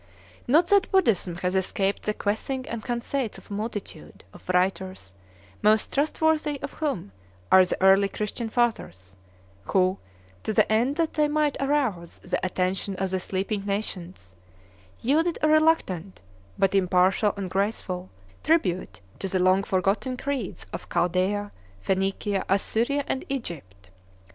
Not that Buddhism has escaped the guessing and conceits of a multitude of writers, most trustworthy of whom are the early Christian Fathers, who, to the end that they might arouse the attention of the sleeping nations, yielded a reluctant, but impartial and graceful, tribute to the long forgotten creeds of Chaldea, Phenicia, Assyria, and Egypt.